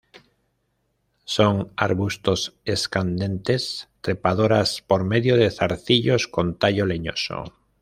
Son arbustos escandentes, trepadoras por medio de zarcillos, con tallo leñoso.